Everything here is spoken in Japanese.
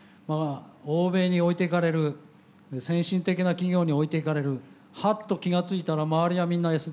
欧米に置いていかれる先進的な企業に置いていかれるハッと気が付いたら周りはみんなＳＤＧｓだ。